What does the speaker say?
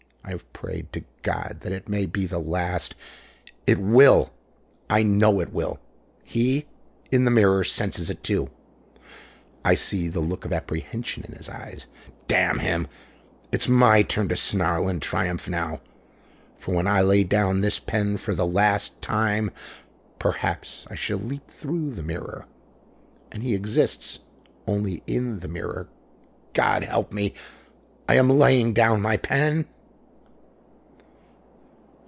I have prayed to God that it may be the last. It will! I know it will! He, in the mirror, senses it too. I see the look of apprehension in his eyes. Damn him! It's my turn to snarl in triumph now. For when I lay down this pen, for the last time, perhaps, I shall leap through the mirror. And he exists only in the mirror. God help me! _I am laying down my pen!